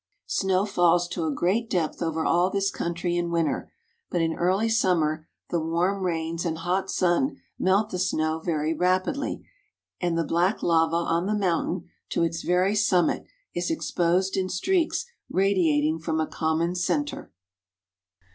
Snow falls to a great depth over all this country in winter, but in early summer the warm rains and hot sun melt the snow very rapidly and the black lava on the mountain, to its very summit, is exposed in streaks radiating from a common center.